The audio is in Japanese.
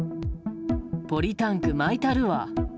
ポリタンク、まいたるわ。